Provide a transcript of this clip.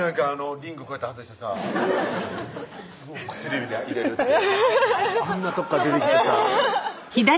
リングこうやって外してさ薬指に入れるっていうあんなとこから出てきてさアハハハ